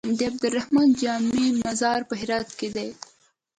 د عبدالرحمن جامي مزار په هرات کی دی